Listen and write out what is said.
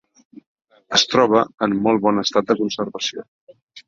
Es troba en molt bon estat de conservació.